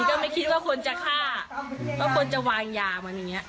ก็ไม่คิดว่าคนจะฆ่าเพราะคนจะวางยามันอย่างนี้